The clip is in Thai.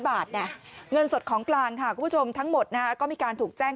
บาทนะเงินสดของกลางค่ะคุณผู้ชมทั้งหมดนะฮะก็มีการถูกแจ้ง